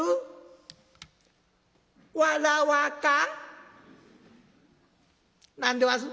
「わらわか？」。